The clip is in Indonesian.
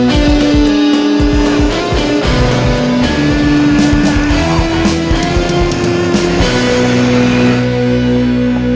balikin dari situ